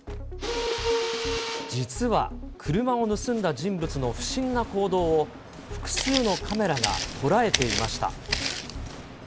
実は、車を盗んだ人物の不審な行動を、複数のカメラが捉えていました。